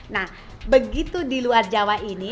nah begitu di luar jawa ini